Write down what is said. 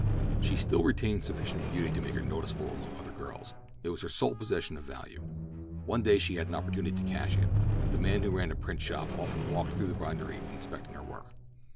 She still retained sufficient beauty to make her noticeable among other girls. It was her sole possession of value. One day she had an opportunity to cash it. The man who ran the print shop often walked through the bindery inspecting the work.